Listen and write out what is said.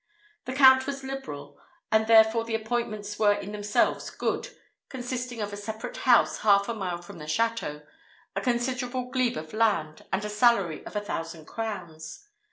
The Count was liberal, and therefore the appointments were in themselves good, consisting of a separate house half a mile from the château, a considerable glebe of land, and a salary of a thousand crowns.